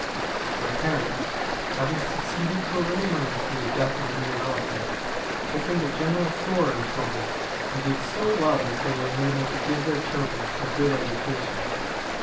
My parents, having succeeded to a little money through the death of a near relative, opened a general store in Troy, and did so well that they were enabled to give their children a good education.